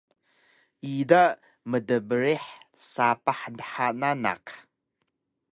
ida mtbrih sapah dha nanaq